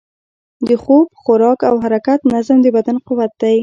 د خوب، خوراک او حرکت نظم، د بدن قوت دی.